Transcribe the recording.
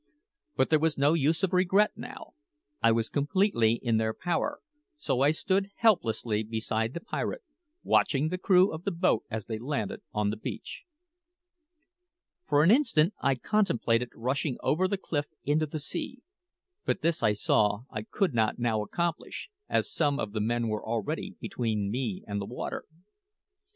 But there was no use of regret now. I was completely in their power; so I stood helplessly beside the pirate, watching the crew of the boat as they landed on the beach. For an instant I contemplated rushing over the cliff into the sea; but this, I saw, I could not now accomplish, as some of the men were already between me and the water.